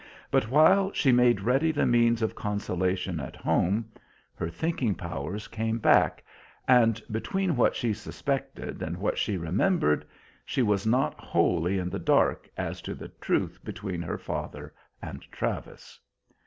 But while she made ready the means of consolation at home, her thinking powers came back, and, between what she suspected and what she remembered, she was not wholly in the dark as to the truth between her father and Travis.